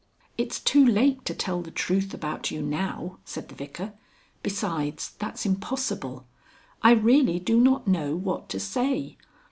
"It's too late to tell the truth about you now," said the Vicar. "Besides, that's impossible. I really do not know what to say.